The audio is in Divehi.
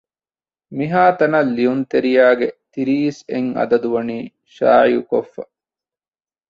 މިހާތަނަށް ލިޔުންތެރިޔާ ގެ ތިރީސް އެއް އަދަދު ވަނީ ޝާއިޢުކޮށްފަ